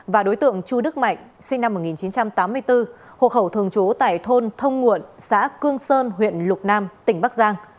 và đối tượng chu đức mạnh sinh năm một nghìn chín trăm tám mươi bốn hộ khẩu thường trú tại thôn thông nguộn xã cương sơn huyện lục nam tỉnh bắc giang